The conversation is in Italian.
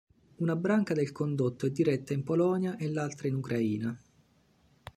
Una branca del condotto è diretta in Polonia e l'altra in Ucraina.